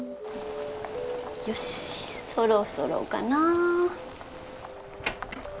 よしそろそろかな。